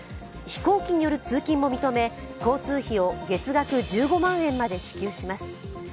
飛行機による通勤も認め、交通費を月額１５万円まで支給します。